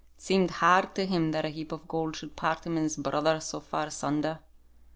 It seemed hard to him that a heap of gold should part him and his brother so far asunder.